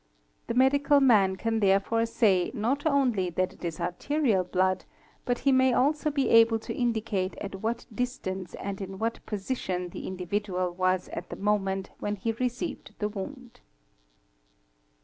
The medical man%#—875) can therefore say not only that it is arterial blood but he may also be able to indicate at what distance and in what position the individual was at the moment when he received the wound.